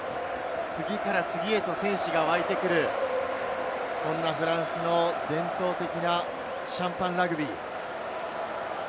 次から次へと選手が湧いてくる、そんなフランスの伝統的なシャンパンラグビー。